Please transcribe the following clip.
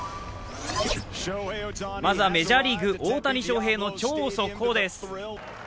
まずは、メジャーリーグ、大谷翔平の超速報です。